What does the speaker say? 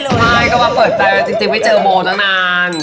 ใช่ก็มาเปิดใจจริงไม่เจอโบตั้งนาน